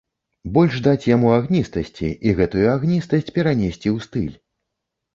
Больш даць яму агністасці і гэтую агністасць перанесці ў стыль.